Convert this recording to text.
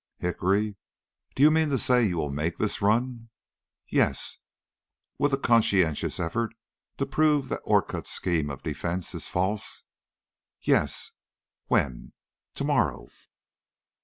"Hickory, do you mean to say you will make this run?" "Yes." "With a conscientious effort to prove that Orcutt's scheme of defence is false?" "Yes." "When?" "To morrow."